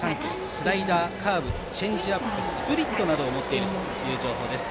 スライダー、カーブチェンジアップスプリットなどを持っているという情報です。